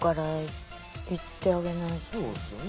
そうですよね。